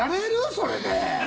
それで。